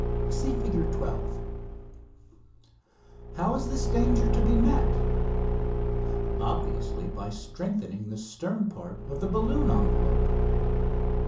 (See Fig. 12.) [Illustration: Fig. 12] How is this danger to be met? Obviously by strengthening the stern part of the balloon envelope.